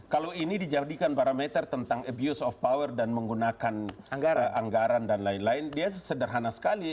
kalau ini dijadikan parameter tentang abuse of power dan menggunakan anggaran dan lain lain dia sederhana sekali